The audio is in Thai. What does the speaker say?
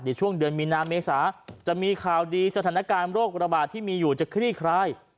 ในช่วงเดือนมีนาเมษาจะมีข่าวดีสถานการณ์โรคระบาดที่มีอยู่จะคลี่คลาย